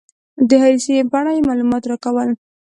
د هرې سیمې په اړه یې معلومات راکول.